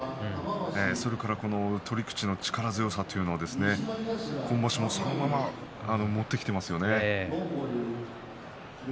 先場所の好調さそれから取り口の力強さというのは今場所もそのまま持ってきていますよね。